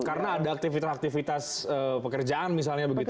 karena ada aktivitas aktivitas pekerjaan misalnya begitu ya